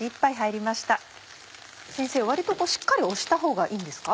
先生割としっかり押したほうがいいんですか？